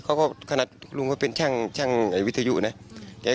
เขาก็ขนาดลุงว่าเป็นช่างวิทยาลัยศาสตร์นะ